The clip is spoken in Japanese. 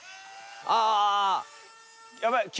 ああ。